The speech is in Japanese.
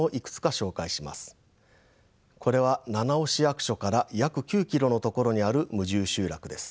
これは七尾市役所から約９キロの所にある無住集落です。